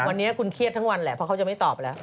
วันนี้คุณเครียดทั้งวันแหละเพราะเขาจะไม่ตอบแล้ว